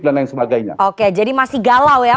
dan lain sebagainya oke jadi masih galau ya